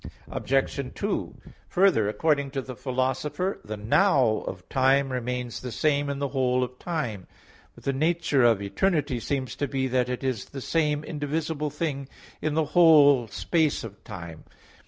Obj. 2: Further, according to the Philosopher (Phys. iv), the "now" of time remains the same in the whole of time. But the nature of eternity seems to be that it is the same indivisible thing in the whole space of time.